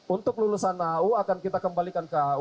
untuk lulusan aau akan kita kembalikan ke aau